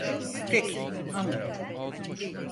Peki, anladım.